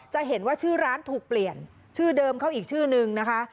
จะเห็นว่าชื่อร้านถูกเปลี่ยนชื่อเดิมเข้าอีกชื่อนึงนะคะ